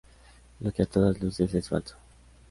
Lo que a todas luces es falso.